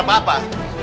aku mau pergi